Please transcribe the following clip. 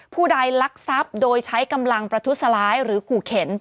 ผู้ใดลักทรัพย์โดยใช้กำลังประทุษร้ายหรือขู่เข็น